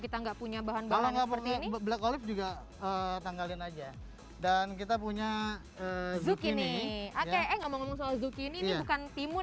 kita enggak punya bahan bahan seperti ini juga tanggalin aja dan kita punya zucchini oke ini bukan